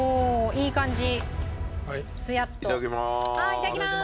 いただきまーす。